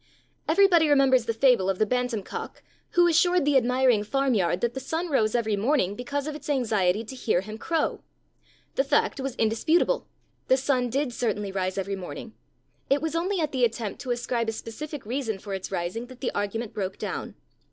Everybody remembers the fable of the bantam cock who assured the admiring farmyard that the sun rose every morning because of its anxiety to hear him crow! The fact was indisputable; the sun did certainly rise every morning. It was only at the attempt to ascribe a specific reason for its rising that the argument broke down.